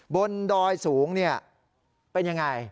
บนดอยสูงเนี่ยเป็นยังไง